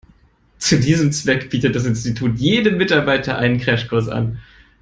Zu diesem Zweck bietet das Institut jedem Mitarbeiter einen Crashkurs an.